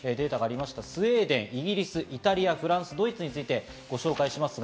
スウェーデン、イギリス、イタリア、フランス、ドイツについてご紹介します。